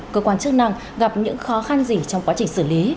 cơ quan chức năng gặp những khó khăn gì trong quá trình xử lý